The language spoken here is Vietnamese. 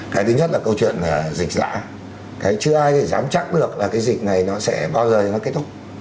cái thứ nhất là câu chuyện dịch dã chứ ai thì dám chắc được là cái dịch này nó sẽ bao giờ kết thúc